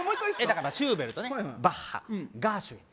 だからシューベルトねバッハガーシュウィン